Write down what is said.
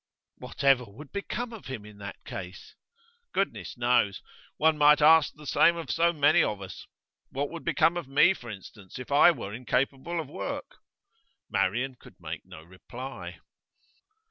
'What ever would become of him in that case?' 'Goodness knows! One might ask the same of so many of us. What would become of me, for instance, if I were incapable of work?' Marian could make no reply.